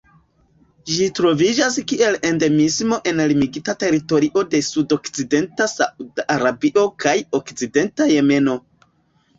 Ĝi troviĝas kiel endemismo en limigita teritorio de sudokcidenta Sauda Arabio kaj okcidenta Jemeno.